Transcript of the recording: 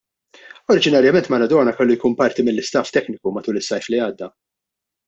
Oriġinarjament Maradona kellu jkun parti mill-istaff tekniku matul is-sajf li għadda.